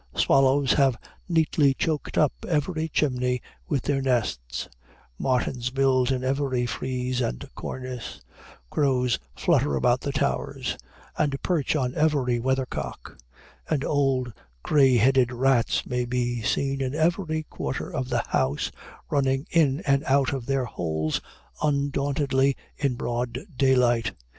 Swallows have nearly choked up every chimney with their nests; martins build in every frieze and cornice; crows flutter about the towers, and perch on every weathercock; and old gray headed rats may be seen in every quarter of the house, running in and out of their holes undauntedly in broad daylight.